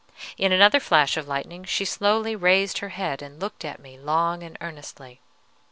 In another flash of lightning she slowly raised her head and looked at me long and earnestly.